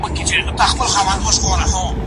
اقتصاد د ژوند د هرې برخې بنسټ دی.